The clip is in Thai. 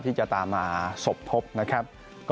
ที่จะตามมาสมทบ